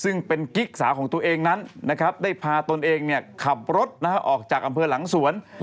ซึ่งเป็นกิ๊กสาวของตัวเองนั้นนะครับได้พาตนเองขับรถออกจากอำเภอหลังสวน